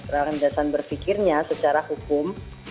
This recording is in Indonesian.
landasan berpikirnya secara hukum